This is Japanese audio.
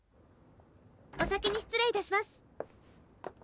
お先に失礼いたします。